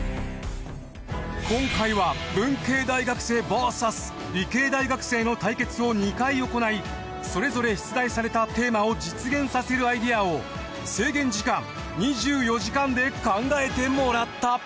今回は文系大学生ＶＳ理系大学生の対決を２回行いそれぞれ出題されたテーマを実現させるアイデアを制限時間２４時間で考えてもらった。